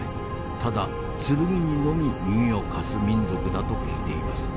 ただ剣にのみ耳を貸す民族だと聞いています。